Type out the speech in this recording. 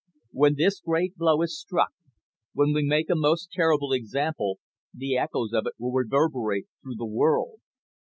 "When this great blow is struck, when we make a most terrible example, the echoes of it will reverberate through the world.